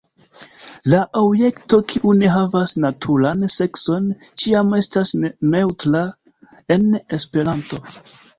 La objekto kiu ne havas naturan sekson ĉiam estas neŭtra en Esperanto.